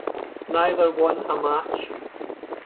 Neither won a match.